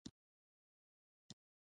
د پکتیکا په متا خان کې د کرومایټ نښې شته.